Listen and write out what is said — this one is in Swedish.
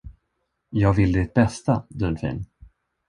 Jag vill ditt bästa, Dunfin.